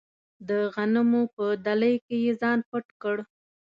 د غنمو په دلۍ کې یې ځان پټ کړ.